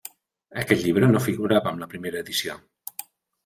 Aquest llibre no figurava en la primera edició.